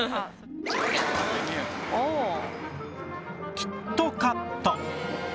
キットカット